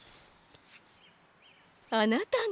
あなたが。